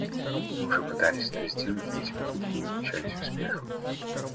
Мы уже пытались это сделать, но эти попытки не увенчались успехом.